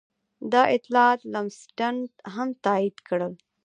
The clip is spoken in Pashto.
دا اطلاعات لمسډن هم تایید کړل.